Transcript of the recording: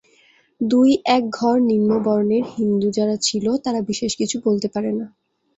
দুই-এক ঘর নিম্নবর্ণের হিন্দু যারা ছিল, তারা বিশেষ কিছু বলতে পারে না।